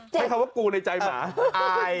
ใช้คำว่ากูในใจหมาอาย